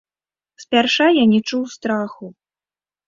Спярша я не чуў страху.